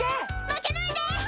負けないで！